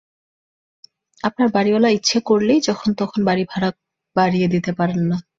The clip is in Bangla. আপনার বাড়িওয়ালা ইচ্ছে করলেই যখন-তখন বাড়ির ভাড়া বাড়িয়ে দিতে পারেন না।